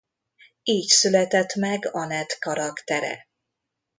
Így született meg Anette karaktere.